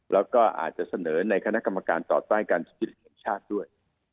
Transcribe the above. แล้วก็อาจจะเสนอในคณะกรรมการต่อต้านการสุจริตแห่งชาติด้วย